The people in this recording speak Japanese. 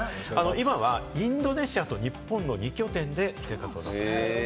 今はインドネシアと日本の２拠点で活動されている。